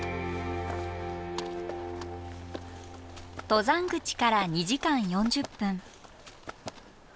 登山口から２時間４０分。